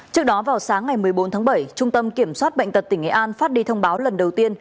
trước đó vào sáng ngày một mươi bốn tháng bảy trung tâm kiểm soát bệnh tật tỉnh nghệ an phát đi thông báo lần đầu tiên